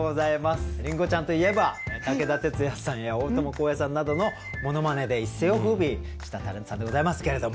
りんごちゃんといえば武田鉄矢さんや大友康平さんなどのものまねで一世をふうびしたタレントさんでございますけれども。